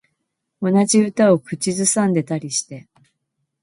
同じ歌を口ずさんでたりして